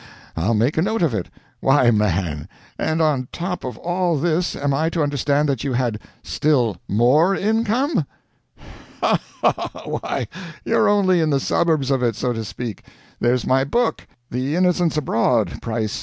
I'll make a note of it. Why man! and on top of all this am I to understand that you had still more income?" "Ha! ha! ha! Why, you're only in the suburbs of it, so to speak. There's my book, The Innocents Abroad price $3.